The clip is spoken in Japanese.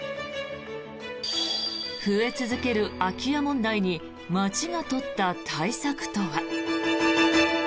増え続ける空き家問題に町が取った対策とは。